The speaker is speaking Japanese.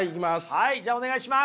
はいじゃあお願いします！